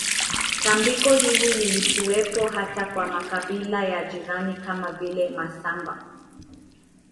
Tambiko hili lilikuwepo hata kwa makabila ya jirani kama vile wasambaa